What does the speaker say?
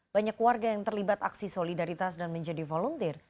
banyak warga yang terlibat aksi solidaritas dan menjadi volunteer